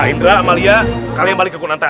indra amalia kalian balik ke kunanta